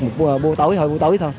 một bộ tỏi thôi